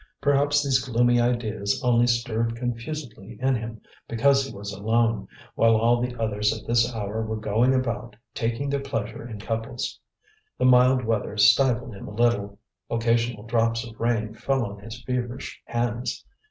Perhaps these gloomy ideas only stirred confusedly in him because he was alone, while all the others at this hour were going about taking their pleasure in couples. The mild weather stifled him a little, occasional drops of rain fell on his feverish hands.